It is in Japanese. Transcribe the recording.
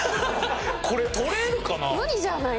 これ取れるかな？